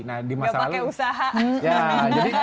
tidak pakai usaha